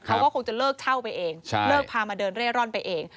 เขาก็คงจะเลิกเช่าไปเองเลิกพามาเดินเร่ร่อนไปเอง